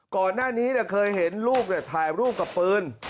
ก่อนหน้านี้เคยเห็นลูกถ่ายรูปกับปืน